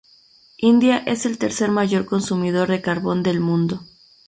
India es el tercer mayor consumidor de carbón del mundo.